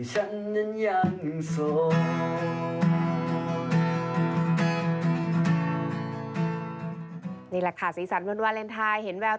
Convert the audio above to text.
สิ่งที่เหมือนเดิม